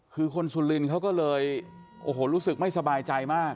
คือคนสุรินทร์เขาก็เลยโอ้โหรู้สึกไม่สบายใจมาก